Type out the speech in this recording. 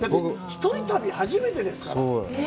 一人旅初めてですから。